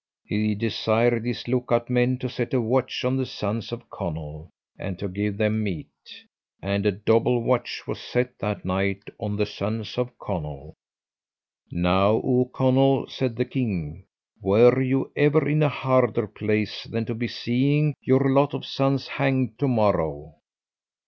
He desired his look out men to set a watch on the sons of Conall, and to give them meat. And a double watch was set that night on the sons of Conall. "Now, O Conall," said the king, "were you ever in a harder place than to be seeing your lot of sons hanged tomorrow?